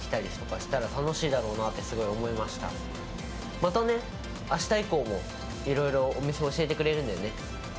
またね、明日以降もいろいろお店を教えてくれるんだよね。